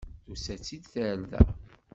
Tusa-tt-id tarda.